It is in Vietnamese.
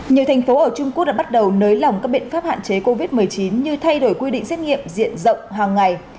nhiều thành phố ở trung quốc đã bắt đầu nới lỏng các biện pháp hạn chế covid một mươi chín như thay đổi quy định xét nghiệm diện rộng hàng ngày